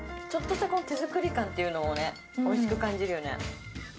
ちょっとした手作り感というのね、おいしく感じるよね。